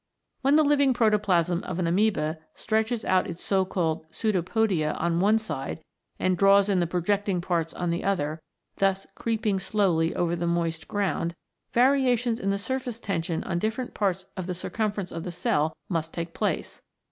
When the living protoplasm of an amceba stretches out its so called Pseudopodia on one side, and draws in the projecting parts on the other, thus creeping slowly over the moist ground, variations in the surface tension on different parts of the circumference of the cell must take place.